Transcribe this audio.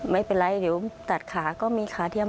ไม่เป็นไรเดี๋ยวตัดขาก็มีขาเทียม